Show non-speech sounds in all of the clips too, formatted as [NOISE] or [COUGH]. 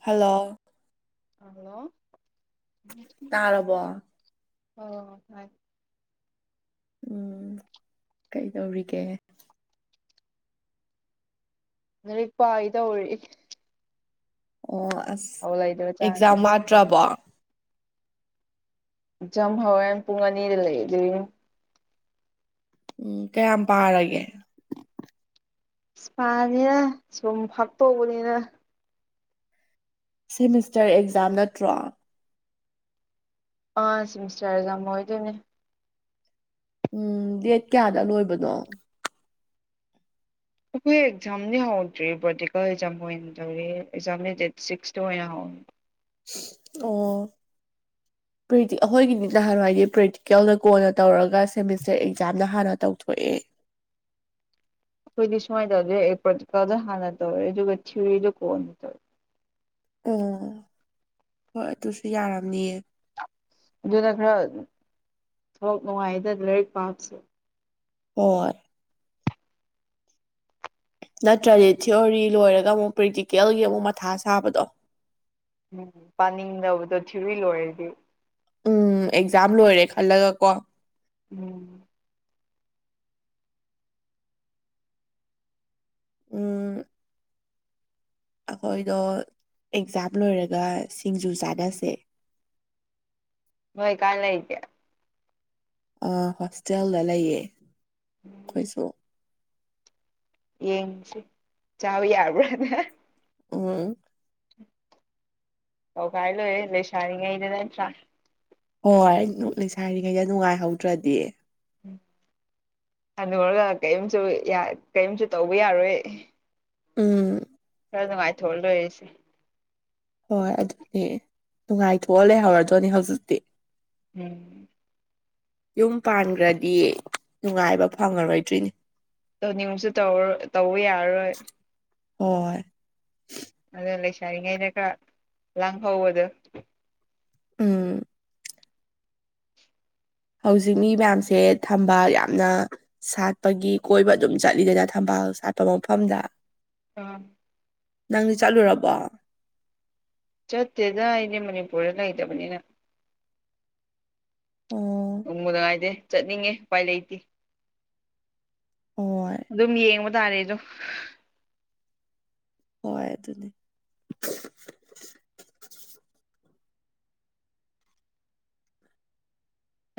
hello hello [UNINTELLIGIBLE] ꯇꯥꯔꯕꯣ ꯑꯣ ꯍꯣꯏ ꯎꯝ ꯀꯩꯗꯧꯔꯤꯒꯦ ꯂꯥꯔꯤꯛ ꯄꯥꯒꯦ ꯇꯧꯔꯛꯏ ꯑꯣ ꯑꯁ ꯊꯕꯛ ꯂꯩꯇꯕꯖꯥꯠꯅꯤ ꯑꯦꯛꯖꯥꯝ ꯋꯥꯠꯇ꯭ꯔꯕꯣ ꯑꯦꯛꯖꯥꯝ ꯍꯧꯋꯦꯟ ꯄꯨꯡ ꯑꯅꯤꯗ ꯂꯩ ꯑꯗꯨꯒꯤ ꯎꯝ ꯀꯌꯥꯝ ꯄꯥꯔꯒꯦ ꯄꯥꯥꯗꯦꯗꯥ ꯁꯨꯝ ꯐꯥꯛꯇꯣꯛꯄꯅꯤꯗ ꯁꯦꯃꯤꯁꯇꯔ ꯑꯦꯛꯖꯥꯝ ꯅꯠꯇ꯭ꯔꯣ ꯑꯥ ꯁꯤꯃꯤꯁꯇꯔ ꯑꯦꯛꯖꯥꯝ ꯑꯣꯏꯗꯣꯏꯅꯦ ꯎꯝ ꯗꯦꯠ ꯀꯌꯥꯗ ꯂꯣꯏꯕꯅꯣ ꯑꯩꯈꯣꯏ ꯑꯦꯛꯖꯥꯝꯗꯤ ꯍꯧꯗ꯭ꯔꯤ ꯕꯣꯇꯤꯀꯦꯜ ꯑꯦꯛꯖꯥꯝ ꯑꯣꯏꯅꯇꯧꯔꯤ ꯑꯦꯛꯖꯥꯝꯅꯤ ꯗꯦꯠ ꯁꯤꯛꯁꯇ ꯑꯣꯏꯅ ꯍꯧꯏ ꯑꯣ ꯄ꯭ꯔꯤꯇꯤ ꯑꯍꯣꯏꯒꯤꯗꯤ ꯅꯍꯥꯟꯋꯥꯏꯗꯤ ꯄ꯭ꯔꯦꯛꯇꯤꯀꯦꯜꯅ ꯀꯣꯟꯅ ꯇꯧꯔꯒ ꯁꯦꯃꯤꯁꯇꯔ ꯑꯦꯛꯖꯥꯝꯅ ꯍꯥꯟꯅ ꯇꯧꯊꯣꯛꯑꯦ ꯑꯈꯣꯏꯗꯤ ꯁꯨꯃꯥꯏꯗꯗꯤ ꯑꯦ ꯄ꯭ꯔꯣꯇꯤꯀꯥꯜꯗ ꯍꯥꯟꯅ ꯇꯧꯔꯦ ꯑꯗꯨꯒ ꯊꯤꯌꯔꯤꯗꯣ ꯀꯣꯟꯅ ꯇꯧꯌꯦ ꯎꯝ ꯍꯣꯏ ꯑꯗꯨꯁꯨ ꯌꯥꯔꯝꯅꯤꯌꯦ ꯑꯗꯨꯅ ꯈꯔ ꯊꯕꯛ ꯅꯨꯡꯉꯥꯏꯗ ꯂꯥꯏꯔꯤꯛ ꯄꯥꯕꯁꯦ ꯑꯣ ꯅꯠꯇ꯭ꯔꯗꯤ ꯊꯤꯑꯣꯔꯤ ꯂꯣꯏꯔꯒ ꯑꯃꯨꯛ ꯄ꯭ꯔꯦꯛꯇꯤꯀꯦꯜꯒꯤ ꯑꯃꯨꯛ ꯃꯊꯥ ꯁꯥꯕꯗꯣ ꯎꯝ ꯄꯥꯅꯤꯡꯗꯕꯗꯣ ꯊꯤꯌꯣꯔꯤ ꯂꯣꯏꯔꯦꯗꯤ ꯎꯝ ꯑꯦꯛꯖꯥꯝ ꯂꯣꯏꯔꯦ ꯈꯜꯂꯒ ꯀꯣ ꯎꯝ ꯎꯝ ꯑꯈꯣꯏꯗꯣ ꯑꯦꯛꯖꯥꯝ ꯂꯣꯏꯔꯒ ꯁꯤꯡꯖꯨ ꯆꯥꯟꯅꯁꯦ ꯅꯣꯏ ꯀꯥꯏ ꯂꯩꯥꯏꯒꯦ ꯑ ꯍꯣꯁꯇꯦꯜꯗ ꯂꯩꯌꯦ ꯑꯈꯣꯏꯁꯨ ꯌꯦꯡꯁꯦ ꯆꯥꯕ ꯌꯥꯕ꯭ꯔꯥꯅ ꯎꯝ ꯇꯧꯒꯥꯏ ꯂꯣꯏꯔꯦ ꯂꯩꯁꯥꯔꯤ ꯉꯩꯗ ꯅꯠꯇ꯭ꯔꯥ ꯍꯣꯏ ꯅꯨ ꯂꯩꯁꯥꯔꯤꯉꯩꯗ ꯅꯨꯡꯉꯥꯏꯍꯧꯗ꯭ꯔꯗꯤ ꯍꯅꯨꯔꯒꯥ ꯀꯩꯝꯁꯨ ꯌꯥ ꯀꯩꯝꯁꯨ ꯇꯧꯕ ꯌꯥꯔꯣꯏ ꯎꯝ ꯈꯔ ꯅꯨꯡꯉꯥꯏꯊꯣꯛꯑ ꯂꯣꯏꯔꯦꯁꯦ ꯍꯣꯏ ꯑꯗꯨꯅꯤ ꯅꯨꯡꯉꯥꯏꯊꯣꯛꯑ ꯂꯩꯍꯧꯔꯗꯣꯏꯅꯦ ꯍꯧꯖꯤꯛꯇꯤ ꯎꯝ ꯌꯨꯝ ꯄꯥꯟꯈ꯭ꯔꯗꯤ ꯅꯨꯡꯉꯥꯏꯕ ꯐꯪꯉꯔꯣꯏꯗ꯭ꯔꯣꯏꯅꯤ ꯇꯧꯅꯤꯡꯕꯁꯨ ꯇꯧꯔꯣ ꯇꯧꯕ ꯌꯥꯔꯔꯣꯏ ꯍꯣꯏ ꯑꯗꯨ ꯂꯩꯁꯥꯔꯤꯉꯩꯗ ꯈꯔ ꯂꯪ ꯍꯧꯕꯗꯣ ꯎꯝ ꯍꯧꯖꯤꯛ ꯃꯤ ꯃꯌꯥꯝꯁꯦ ꯊꯝꯕ ꯌꯥꯝꯅ ꯁꯥꯠꯄꯒꯤ ꯀꯣꯏꯕ ꯑꯗꯨꯝ ꯆꯠꯂꯤꯗꯅ ꯊꯝꯕꯥꯜ ꯁꯥꯠꯄ ꯃꯐꯝꯗ ꯑꯥ ꯅꯪꯗꯤ ꯆꯠꯂꯨꯔꯕꯣ ꯆꯠꯇꯦꯗ ꯑꯩꯗꯤ ꯃꯅꯤꯄꯨꯔꯗ ꯂꯩꯇꯕꯅꯤꯅ ꯑꯣ ꯑꯨꯡꯕꯅꯣꯍꯥꯏꯇꯦ ꯆꯠꯅꯤꯡꯉꯦ ꯎꯄꯥꯏ ꯂꯩꯇꯦ ꯍꯣꯏ ꯑꯗꯨꯝ ꯌꯦꯡꯕ ꯇꯥꯔꯦꯗꯣ ꯍꯣꯏ ꯑꯗꯨꯅꯦ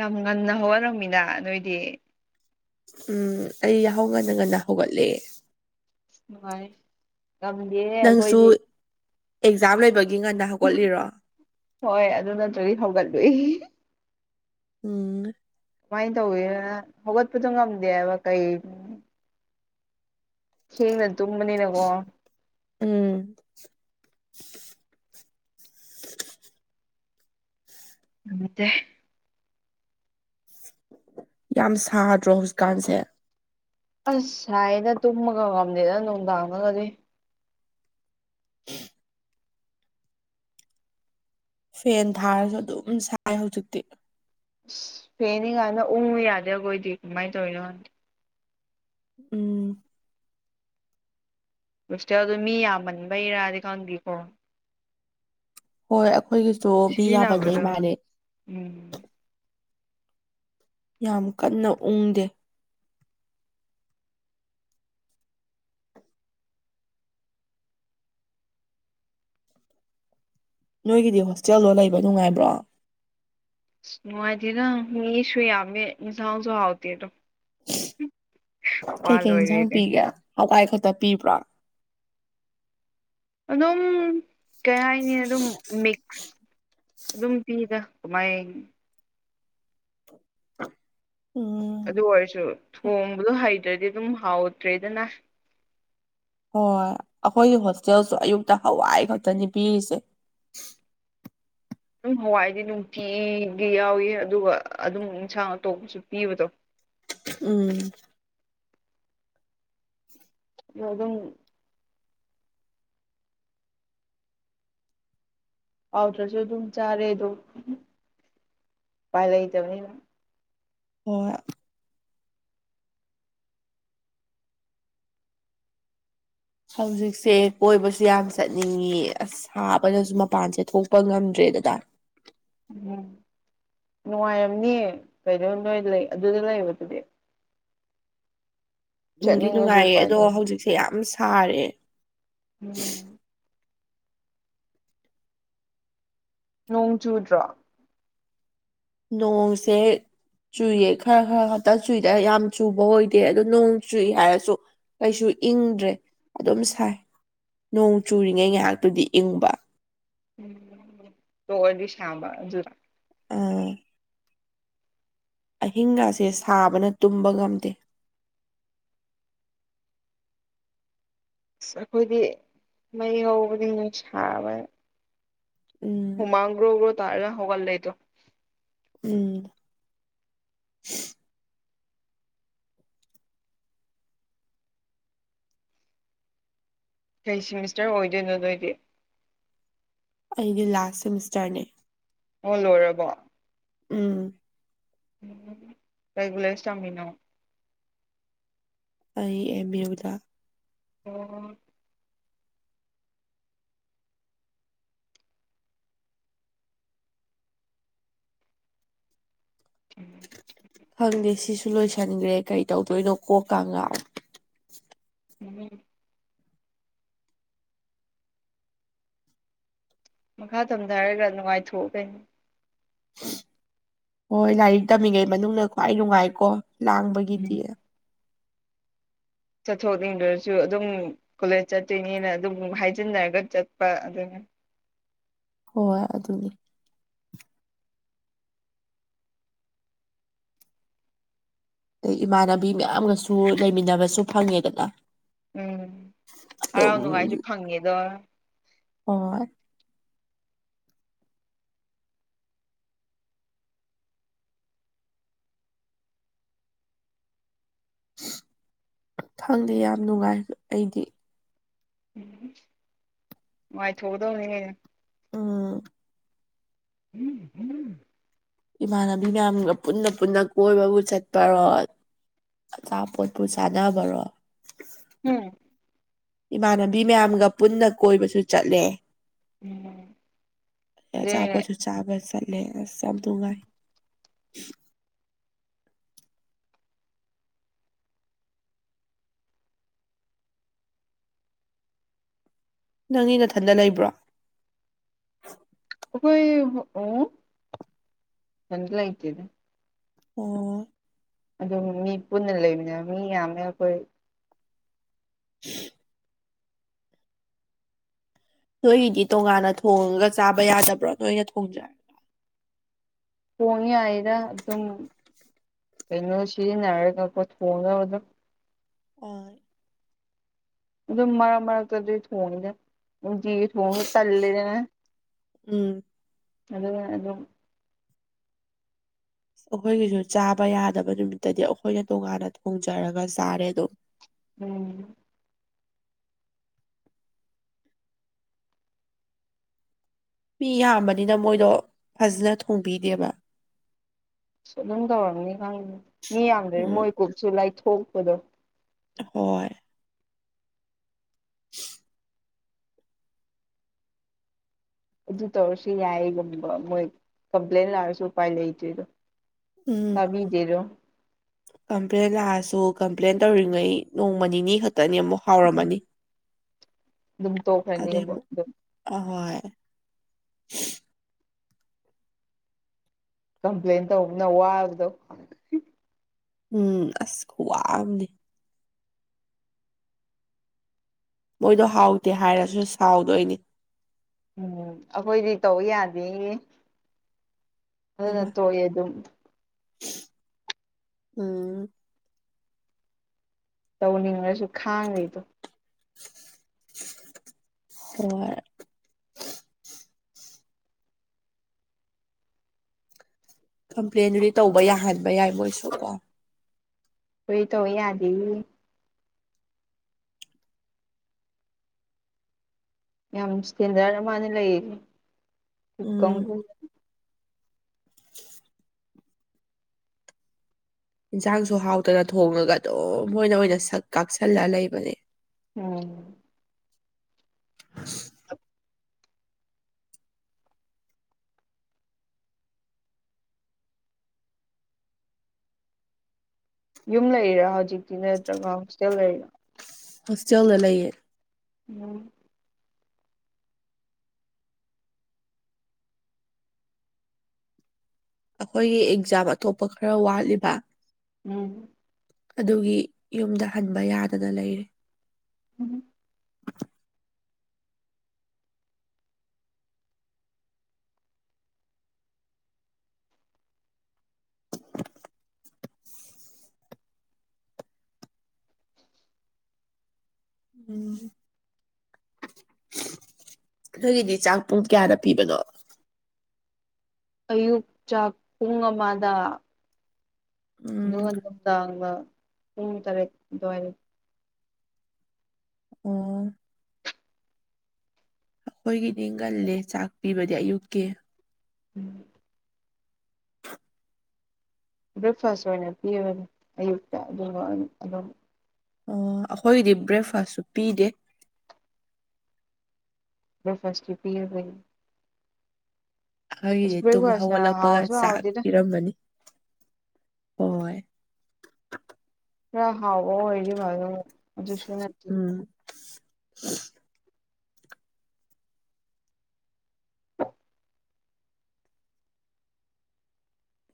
ꯌꯥꯝ ꯉꯟꯅ ꯍꯧꯒꯠꯂꯝꯃꯤꯅ ꯅꯣꯏꯗꯤ ꯎꯝ ꯑꯩ ꯌꯥꯍꯧ ꯉꯟꯅ ꯉꯟꯅ ꯍꯧꯒꯠꯂꯦ ꯅꯨꯡꯉꯥꯏ ꯉꯝꯗꯦ ꯅꯪꯁꯨ ꯑꯦꯛꯖꯥꯝ ꯂꯩꯕꯒꯤ ꯉꯟꯅ ꯍꯧꯒꯠꯂꯤꯔꯣ ꯍꯣꯏ ꯑꯗꯨ ꯅꯠꯇ꯭ꯔꯗꯤ ꯍꯧꯒꯠꯂꯨꯏ ꯎꯝ ꯀꯃꯥꯏꯟ ꯇꯧꯌꯦꯅ ꯍꯧꯒꯠꯄꯗꯣ ꯉꯝꯗꯦꯕ ꯀꯩ ꯊꯦꯡꯅ ꯇꯨꯝꯕꯅꯤꯅꯀꯣ ꯎꯝ ꯉꯝꯇꯦ ꯌꯥꯝ ꯁꯥꯗ꯭ꯔꯣ ꯍꯧꯖꯤꯛꯀꯥꯟꯁꯦ ꯑꯁ ꯁꯥꯏꯌꯦꯗ ꯇꯨꯝꯕꯒ ꯉꯝꯗꯦꯗ ꯅꯨꯡꯗꯥꯡꯗꯒꯗꯤ [INAUDIBLE] ꯐꯦꯟ ꯊꯥꯔꯁꯨ ꯑꯗꯨꯝ ꯁꯥꯏ ꯍꯧꯖꯤꯛꯇꯤ ꯑꯁ ꯐꯦꯟꯅꯤ ꯒꯥꯢꯅ ꯎꯨꯉꯨ ꯌꯥꯗ꯭ꯔꯦ ꯑꯩꯈꯣꯏꯗꯤ ꯀꯃꯥꯏ ꯇꯧꯔꯤꯅꯣ ꯈꯪꯗꯦ ꯎꯝ ꯍꯣꯁꯇꯦꯜꯗꯣ ꯃꯤ ꯌꯥꯝꯃꯟꯕꯩꯔꯥꯗꯤ ꯈꯪꯗꯦꯀꯣ ꯍꯣꯏ ꯑꯩꯈꯣꯏꯒꯤꯁꯨ ꯃꯤ ꯌꯥꯝꯃꯟꯕꯩ ꯁꯤꯖꯤꯟꯅꯕꯗꯣ ꯃꯥꯥꯜꯂꯦ ꯎꯝ ꯌꯥꯝ ꯀꯟꯅ ꯎꯨꯟꯗꯦ ꯅꯣꯏꯒꯤꯗꯤ ꯍꯣꯁꯇꯦꯜꯗꯣ ꯂꯩꯕ ꯅꯨꯡꯉꯥꯏꯕ꯭ꯔꯣ ꯅꯨꯡꯉꯥꯏꯇꯦꯗ ꯃꯤꯁꯨ ꯌꯥꯝꯃꯦ ꯏꯟꯁꯥꯡꯁꯨ ꯍꯥꯎꯇꯦꯗꯣ ꯋꯥ ꯀꯩꯀꯩ ꯏꯟꯖꯥꯡ ꯂꯣꯏꯔꯦꯅꯦ ꯄꯤꯒꯦ ꯍꯋꯥꯏ ꯈꯛꯇ ꯄꯤꯕ꯭ꯔꯥ ꯑꯗꯨꯝ ꯀꯩ ꯍꯥꯏꯅꯤ ꯑꯗꯨꯝ ꯃꯤꯛꯁ ꯑꯗꯨꯝ ꯄꯤꯗ ꯀꯃꯥꯏ ꯍꯥꯏꯅꯤ ꯎꯝ ꯑꯗꯨ ꯑꯣꯏꯔꯁꯨ ꯊꯣꯡꯕꯗꯣ ꯍꯩꯇ꯭ꯔꯗꯤ ꯑꯗꯨꯝ ꯍꯥꯎꯇ꯭ꯔꯦꯗꯅ ꯍꯣꯏ ꯑꯩꯈꯣꯏꯒꯤ ꯍꯣꯁꯇꯦꯜꯁꯨ ꯑꯌꯨꯛꯇ ꯍꯋꯥꯏ ꯈꯛꯇꯅꯤ ꯄꯤꯔꯤꯁꯦ ꯑꯗꯨꯝ ꯍꯋꯥꯏꯗꯤ ꯅꯨꯡꯇꯤꯒꯤ ꯌꯥꯎꯏ ꯑꯗꯨꯒ ꯑꯗꯨꯝ ꯏꯟꯁꯥꯡ ꯑꯇꯣꯞꯄꯁꯨ ꯄꯤꯕꯗꯣ ꯎꯝ ꯑꯗꯣ ꯑꯗꯨꯝ ꯍꯥꯎꯇ꯭ꯔꯁꯨ ꯑꯗꯨꯝ ꯆꯥꯔꯦ ꯑꯗꯨꯝ ꯎꯄꯥꯏ ꯂꯩꯇꯕꯅꯤꯅ [UNINTELLIGIBLE] ꯍꯧꯖꯤꯛꯁꯦ ꯀꯣꯏꯕꯁꯨ ꯌꯥꯝ ꯆꯠꯅꯤꯡꯉꯤ ꯑꯁ ꯁꯥꯕꯅꯁꯨ ꯃꯄꯥꯟꯁꯦ ꯊꯣꯛꯄ ꯉꯝꯗ꯭ꯔꯦꯗꯅ ꯎꯝ ꯅꯨꯡꯉꯥꯏꯔꯝꯅꯤ ꯀꯩꯅꯣ ꯅꯣꯏ ꯂꯩ ꯑꯗꯨꯗ ꯂꯩꯕꯗꯨꯗꯤ ꯅꯨꯡꯗꯤ ꯆꯠꯅꯤꯡꯉꯁꯨ ꯅꯨꯡꯉꯥꯏꯌꯦ ꯎꯄꯥꯏ ꯑꯗꯣ ꯂꯩ ꯍꯧꯖꯤꯛꯁꯦ ꯌꯥꯝ ꯁꯥꯔꯦ ꯎꯝ ꯅꯣꯡ ꯆꯨꯗ꯭ꯔꯣ ꯅꯣꯡꯁꯦ ꯆꯨꯏꯌꯦ ꯈꯔ ꯈꯔ ꯈꯛꯇ ꯆꯨꯏꯗ ꯌꯥꯝ ꯆꯨꯕ ꯑꯣꯏꯗꯦ ꯑꯗꯣ ꯅꯣꯡ ꯆꯨꯏ ꯍꯥꯏꯔꯁꯨ ꯀꯩꯁꯨ ꯏꯪꯗ꯭ꯔꯦ ꯑꯗꯨꯝ ꯁꯥꯏ ꯅꯣꯡ ꯆꯨꯔꯤꯉꯩ ꯉꯥꯏꯍꯥꯛꯇꯨꯗꯤ ꯏꯪꯕ ꯎꯝ ꯇꯣꯛꯑꯗꯤ ꯁꯥꯡꯕ ꯑꯗꯨꯅ ꯑꯥ ꯑꯍꯤꯡꯒꯁꯦ ꯁꯥꯕꯅ ꯇꯨꯝꯕ ꯉꯝꯗꯦ ꯑꯁ ꯑꯩꯈꯣꯏꯗꯤ ꯃꯩ ꯍꯧꯕꯅꯤꯅꯦ ꯁꯥꯕꯅ ꯎꯝ ꯍꯨꯃꯥꯡ ꯑꯣꯔ ꯑꯣꯔ ꯇꯔꯥ ꯍꯧꯒꯠꯂꯦ ꯑꯩꯗꯣ ꯎꯝ ꯀꯩ ꯁꯤꯃꯤꯁꯇ꯭ꯔ ꯑꯣꯏꯗꯣꯏꯅꯣ ꯅꯣꯏꯗꯤ ꯑꯩꯗꯤ ꯂꯥꯁ ꯁꯦꯃꯤꯁꯇ꯭ꯔꯅꯦ ꯑꯣ ꯂꯣꯏꯔꯕꯣ ꯎꯝ ꯑꯝ ꯀꯩ ꯀꯣꯂꯦꯁ ꯇꯥꯝꯃꯤꯅꯣ ꯑꯩ ꯑꯦꯝ ꯌꯨꯗ ꯑꯣ [UNINTELLIGIBLE] ꯈꯪꯗꯦ ꯁꯤꯁꯨ ꯂꯣꯏꯁꯤꯟꯒ꯭ꯔꯦ ꯀꯔꯤ ꯇꯧꯗꯣꯏꯅꯣ ꯀꯣꯛꯀ ꯉꯥꯎꯋꯤ [UNINTELLIGIBLE] ꯃꯈꯥ ꯇꯝꯗꯔꯒ ꯅꯨꯡꯉꯥꯏꯊꯣꯛꯎ ꯀꯩꯅꯣ ꯍꯣꯏ ꯂꯥꯏꯔꯤꯛ ꯇꯝꯃꯤꯉꯩ ꯃꯅꯨꯡꯅ ꯈ꯭ꯋꯥꯏ ꯅꯨꯡꯉꯥꯏꯀꯣ ꯂꯥꯡꯕꯒꯤꯗꯤ ꯆꯠꯊꯣꯛꯅꯤꯡꯗ꯭ꯔꯁꯨ ꯑꯗꯨꯝ ꯀꯣꯂꯦꯖ ꯆꯠꯇꯣꯏꯅꯦꯅ ꯑꯗꯨꯝ ꯍꯥꯏꯖꯤꯟꯅꯔꯒ ꯆꯠꯄ ꯑꯗꯨꯅ ꯍꯣꯏ ꯑꯗꯨꯅꯤ ꯑꯗꯩ ꯏꯃꯥꯟꯅꯕꯤ ꯃꯌꯥꯝꯒꯁꯨ ꯂꯩꯃꯤꯟꯅꯕꯁꯨ ꯐꯪꯉꯦꯗꯅ ꯎꯝ ꯍꯔꯥꯎ ꯑꯗꯨꯝ ꯅꯨꯡꯉꯥꯏꯁꯨ ꯐꯪꯉꯦꯗꯣ ꯍꯣꯏ ꯊꯪꯗꯦ ꯌꯥꯝ ꯅꯨꯡꯉꯥꯏ ꯑꯩꯗꯤ ꯅꯨꯡꯉꯥꯏꯊꯣꯛꯀꯗꯕꯅꯤ [UNINTELLIGIBLE] ꯎꯝ [UNINTELLIGIBLE] ꯏꯃꯥꯟꯅꯕꯤ ꯃꯌꯥꯝꯒ ꯄꯨꯟꯅ ꯄꯨꯟꯅ ꯀꯣꯏꯕꯕꯨ ꯆꯠꯄꯔꯣ ꯑꯆꯥꯄꯣꯠꯄꯨ ꯆꯥꯟꯅꯕꯔꯣ ꯍꯨꯝ ꯏꯃꯥꯟꯅꯕꯤ ꯃꯌꯥꯝꯒ ꯄꯨꯟꯅ ꯀꯣꯏꯕꯁꯨ ꯆꯠꯂꯦ [UNINTELLIGIBLE] ꯑꯗꯨꯅꯦ ꯑꯆꯥꯄꯣꯠꯁꯨ ꯆꯥꯕ ꯆꯠꯂꯦ ꯑꯁ ꯌꯥꯝ ꯅꯨꯉꯥꯏ ꯅꯪꯒꯤ ꯅꯊꯟꯗ ꯂꯩꯕ꯭ꯔꯣ ꯑꯈꯣꯏ ꯑꯣ ꯏꯊꯟꯇꯥ ꯂꯩꯇꯦꯗ ꯑꯣ ꯑꯗꯨꯝ ꯃꯤ ꯄꯨꯟꯅ ꯂꯩꯃꯤꯟꯅꯕꯅꯦ ꯃꯤ ꯌꯥꯝꯃꯦ ꯑꯩꯈꯣꯏ [UNINTELLIGIBLE] ꯅꯣꯏꯒꯤꯗꯤ ꯇꯣꯉꯥꯟꯅ ꯊꯣꯡꯉꯒ ꯆꯥꯕ ꯌꯥꯗꯕ꯭ꯔꯣ ꯅꯣꯏꯅ ꯊꯣꯡꯖꯔ ꯊꯣꯡ ꯌꯥꯏꯗ ꯑꯗꯨꯝ ꯀꯩꯅꯣ ꯁꯤꯖꯤꯟꯅꯔꯒꯀꯣ ꯊꯣꯡꯅꯕꯗꯣ [UNINTELLIGIBLE] ꯑꯗꯨꯝ ꯃꯔꯛ ꯃꯔꯛ ꯇꯗꯤ ꯊꯣꯡꯉꯤꯗ ꯅꯨꯡꯇꯤꯒꯤ ꯊꯣꯡꯕ ꯇꯟꯂꯤꯗꯅ ꯎꯝ ꯑꯗꯨꯒ ꯑꯗꯨꯝ ꯑꯈꯣꯏꯒꯤꯁꯨ ꯆꯥꯕ ꯌꯥꯗꯕ ꯅꯨꯃꯤꯠꯇꯗꯤ ꯑꯈꯣꯏꯅ ꯇꯣꯉꯥꯟꯅ ꯊꯣꯡꯖꯔꯒ ꯆꯥꯔꯦ ꯑꯗꯨꯝ ꯎꯝ ꯃꯤ ꯌꯥꯝꯕꯅꯤꯅ ꯃꯣꯏꯗꯣ ꯐꯖꯅ ꯊꯣꯡꯕꯤꯗꯦꯕ ꯑꯁ ꯑꯗꯨꯝ ꯇꯧꯔꯝꯅꯤ ꯈꯪꯉꯤꯅꯦ ꯃꯤ ꯌꯥꯝꯗꯔꯗꯤ ꯎꯝ ꯃꯣꯏ ꯀꯨꯛꯁꯨ ꯂꯥꯏꯊꯣꯛꯄꯗꯣ ꯍꯣꯏ [UNINTELLIGIBLE] ꯑꯗꯨ ꯇꯧꯔꯁꯨ ꯌꯥꯏꯒꯨꯝꯕ ꯃꯣꯏ ꯀꯝꯄ꯭ꯂꯦꯟ ꯂꯥꯛꯔꯁꯨ ꯎꯄꯥꯏ ꯂꯩꯇꯣꯏꯗꯣ ꯎꯝ ꯇꯕꯤꯗꯦꯗꯣ ꯀꯝꯄ꯭ꯂꯦꯟ ꯂꯥꯛꯑꯁꯨ ꯀꯝꯄ꯭ꯂꯦꯟ ꯇꯧꯔꯤꯉꯩ ꯅꯣꯡꯃ ꯅꯤꯅꯤ ꯈꯛꯇꯅꯤ ꯑꯃꯨ ꯎꯝ ꯑꯗꯨꯝ ꯑꯗꯩ ꯇꯣꯛꯈ꯭ꯔꯅꯤꯕ ꯑꯃꯨꯛ ꯑꯗꯨꯝ ꯑꯍꯣꯏ ꯀꯝꯄ꯭ꯂꯦꯟ ꯇꯧꯕꯅ ꯋꯥꯕꯗꯣ ꯎꯝ ꯑꯁ ꯈꯨꯋꯥꯝꯅꯤ ꯃꯣꯏꯗꯣ ꯍꯥꯎꯇꯦ ꯍꯥꯏꯔꯁꯨ ꯁꯥꯎꯗꯣꯏꯅꯤ ꯎꯝ ꯑꯩꯈꯣꯏꯗꯤ ꯇꯧ ꯌꯥꯗꯦꯌꯦ ꯑꯗꯨꯅ ꯍꯩꯃꯥ ꯇꯣꯛꯑꯦ ꯑꯗꯨꯝ ꯎꯝ ꯇꯧꯅꯤꯡꯔꯁꯨ ꯈꯥꯡꯔꯤꯗꯣ ꯍꯣꯏ ꯀꯝꯄ꯭ꯂꯦꯟꯗꯨꯗꯤ ꯇꯧꯕ ꯌꯥꯍꯟꯕ ꯌꯥꯏ ꯃꯣꯏꯁꯨꯀꯣ ꯈꯣꯏꯗꯤ ꯇꯧ ꯌꯥꯗꯦꯌꯦ ꯌꯥꯝ ꯁ꯭ꯇꯦꯟꯗꯔꯗ ꯃꯥꯅ ꯂꯩꯔꯤ ꯎꯝ [UNINTELLIGIBLE] [INAUDIBLE] ꯏꯟꯁꯥꯡꯁꯨ ꯍꯥꯎꯇꯅ ꯊꯣꯡꯉꯒ ꯑꯗꯨꯝ ꯃꯣꯏꯅ ꯑꯣꯏꯅ ꯁꯛ ꯀꯥꯛꯁꯜꯂ ꯂꯩꯕꯅꯦ ꯎꯝ [UNINTELLIGIBLE] ꯌꯨꯝ ꯂꯩꯔꯤꯔꯣ ꯍꯧꯖꯤꯛꯇꯤ ꯅꯠꯇ꯭ꯔꯒ ꯍꯣꯁꯇꯦꯜ ꯂꯩꯔꯤꯔꯥ ꯍꯣꯁꯇꯦꯜꯗ ꯂꯩꯌꯦ ꯎꯝ ꯑꯈꯣꯏꯒꯤ ꯑꯦꯛꯖꯥꯝ ꯑꯇꯣꯞꯄ ꯈꯔ ꯋꯥꯠꯂꯤꯕ ꯎꯝ ꯑꯗꯨꯒꯤ ꯌꯨꯝꯗ ꯍꯟꯕ ꯌꯥꯗꯅ ꯂꯩꯔꯤ [UNINTELLIGIBLE] ꯎꯝ ꯅꯣꯏꯒꯤꯗꯤ ꯆꯥꯛ ꯄꯨꯡ ꯀꯌꯥꯗ ꯄꯤꯕꯅꯣ ꯑꯌꯨꯛ ꯆꯥꯛ ꯄꯨꯡ ꯑꯃꯗ ꯎꯝ ꯑꯗꯨꯒ ꯅꯨꯡꯗꯥꯡꯅ ꯄꯨꯡ ꯇꯔꯦꯠ ꯑꯗꯨꯋꯥꯏꯗ ꯎꯝ ꯑꯩꯈꯣꯏꯒꯤꯗꯤ ꯉꯜꯂꯦ ꯆꯥꯛ ꯄꯤꯕꯗꯤ ꯑꯌꯨꯛꯀꯤ ꯎꯝ ꯕ꯭ꯔꯦꯛꯐꯥꯁ ꯑꯣꯏꯅ ꯄꯤꯕꯅꯤ ꯑꯌꯨꯛꯇ ꯑꯗꯨꯒ ꯑꯗꯨꯝ ꯑꯣ ꯑꯩꯈꯣꯏꯒꯤꯗꯤ ꯕ꯭ꯔꯦꯛꯐꯥꯁꯁꯨ ꯄꯤꯗꯦ ꯕ꯭ꯔꯦꯛꯐꯥꯁꯇꯤ ꯄꯤꯔꯕꯩ ꯑꯁ ꯑꯩꯈꯣꯏꯒꯤꯗꯤ ꯇꯨꯝ ꯕ꯭ꯔꯦꯛꯐꯥꯁꯅ ꯍꯧꯒꯠꯂꯛꯄꯒ ꯍꯥꯎꯁꯨ ꯆꯥꯛ ꯍꯥꯎꯗꯦꯗ ꯄꯤꯔꯝꯃꯅꯤ ꯍꯣꯏ ꯈꯔ ꯍꯥꯎꯕ ꯑꯣꯏꯔꯗꯤ ꯐꯗꯧꯕ ꯑꯗꯨꯁꯨ ꯅꯠꯇꯦ ꯎꯝ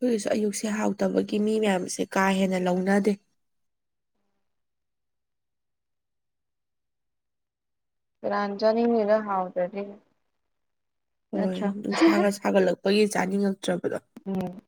ꯑꯩꯈꯣꯏꯒꯤꯁꯨ ꯑꯌꯨꯛꯁꯦ ꯍꯥꯎꯇꯕꯒꯤ ꯃꯤ ꯃꯌꯥꯝꯁꯦ ꯀꯥ ꯍꯦꯟꯅ ꯂꯧꯅꯗꯦ ꯀꯅꯥꯟ ꯆꯥꯅꯤꯡꯗꯣꯏꯅꯣ ꯍꯥꯎꯇ꯭ꯔꯗꯤ ꯍꯣꯏ ꯅꯠꯇ꯭ꯔꯥ ꯅꯨꯡꯁꯥꯒ ꯁꯥꯒꯠꯂꯛꯄꯒꯤ ꯆꯥꯅꯤꯡꯉꯛꯇ꯭ꯔꯕꯗꯣ ꯎꯝ